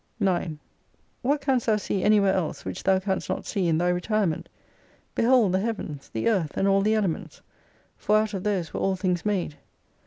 •'9. What canst thou see anywhere else which thou canst not sec in thy retirement ? Behold the heavens, the earth, and all the elements !— for out of those were all things made.